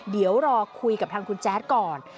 เดี๋ยวรอคุยกับทางคุณแจ๊ดก่อน